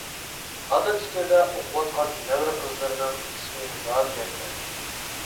ھازىر ئىچكىرىدە ئوقۇۋاتقان نەۋرە قىزلىرىنىڭ ئىسمى رابىيە ئىكەن.